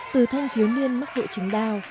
từ thanh thiếu niên mắc hội trứng đao